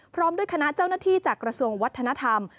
พร้อมด้วยคณะเจ้าหน้าที่จากกระทรวงวัฒนธรรม